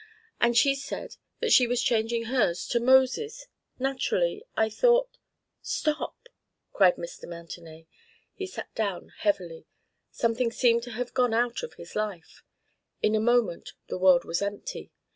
And she said that she was changing hers to Moses. Naturally, I thought " "Stop!" cried Mr. Mountenay. He sat down heavily. Something seemed to have gone out of his life; in a moment the world was empty.